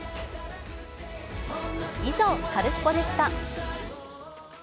以上、カルスポっ！でした。